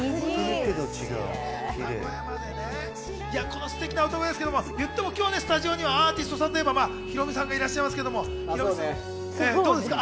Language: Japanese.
このすてきな歌声ですけれども、今日スタジオにはアーティストさんといえばヒロミさんがいらっしゃいますけれども、どうですか？